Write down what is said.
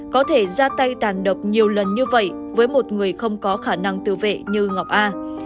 có thể ra tay tàn độc nhiều lần như vậy với một người không có khả năng tự vệ như ngọc a